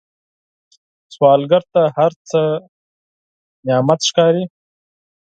سوالګر ته هر څه نعمت ښکاري